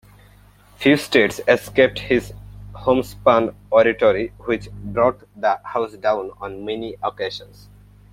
Few states escaped his homespun oratory, which brought the house down on many occasions.